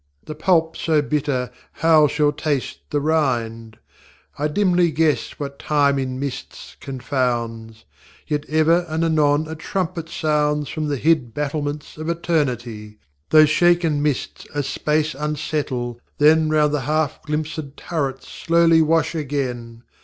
The pulp so bitter, how shall taste the rind? I dimly guess what Time in mists confounds; Yet ever and anon a trumpet sounds From the hid battlements of Eternity; Those shaken mists a space unsettle, then Round the half glimps├©d turrets slowly wash again.